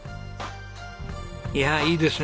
いやいいですね。